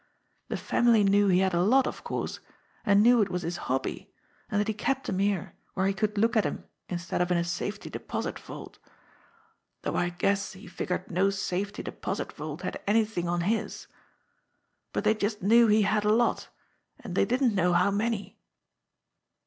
The family knew he had a lot, of course, and knew it was his hobby, and that he kept 'em here where he could look at 'em instead of in a safety deposit vault though I guess he figured no safety deposit vault had anything on his but they just knew he had a lot, they didn't know how many."